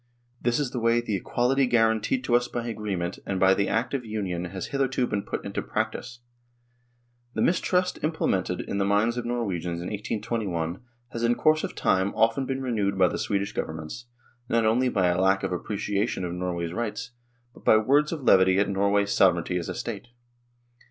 This is the way the equality guaranteed to us by agreement and by the Act of Union has hitherto been put into practice ! The mistrust implanted in the minds of Norwegians in 1821 has in course of time often been renewed by the Swedish Governments, not only by a lack of appreciation of Norway's rights, but by words of levity at Norway's sovereignty as a State.